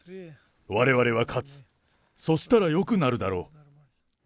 われわれは勝つ、そしたらよくなるだろう。